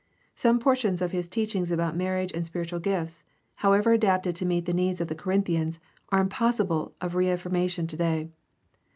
Some portions of his teachings about marriage and spiritual gifts, however adapted to meet the needs of the Corinthians, are impossible of reaffirmation today.